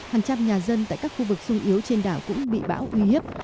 hàng trăm nhà dân tại các khu vực sung yếu trên đảo cũng bị bão uy hiếp